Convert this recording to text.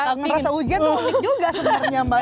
kangen rasa ujian tuh unik juga sebenarnya mbak